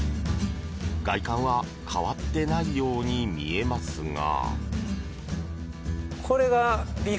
外観は変わってないように見えますが。